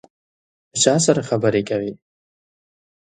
د چا سره خبري کوې ؟